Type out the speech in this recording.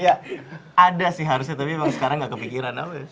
ya ada sih harusnya tapi sekarang emang gak kepikiran apa ya